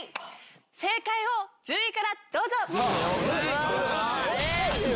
正解を１０位からどうぞ！